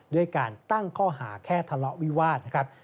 ด้วยการตั้งข้อหาแค่ทะเลาะวิวาสนะครับ